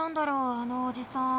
あのおじさん。